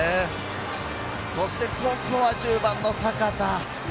そしてここは１０番の阪田。